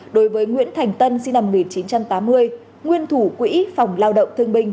đối với nguyễn thành tân sinh năm một nghìn chín trăm tám mươi nguyên thủ quỹ phòng lao động thương binh